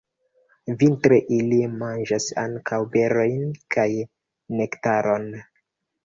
Vintre ili manĝas ankaŭ berojn kaj nektaron.